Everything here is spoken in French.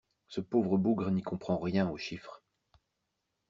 Ce pauvre bougre n'y comprend rien aux chiffres...